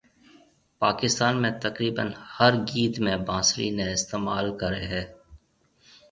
پاڪستان ۾ تقريبن ھر گيت ۾ بانسري ني استعمال ڪري ھيَََ